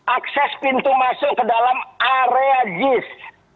akses pintu masuk ke dalam area jis